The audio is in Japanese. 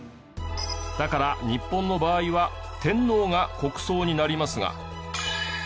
だから日本の場合は天皇が国葬になりますが。